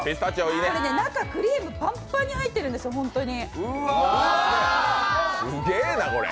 これ、中クリーム、パンパンに入ってるんですよ、ホントに。